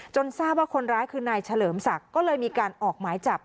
ทราบว่าคนร้ายคือนายเฉลิมศักดิ์ก็เลยมีการออกหมายจับ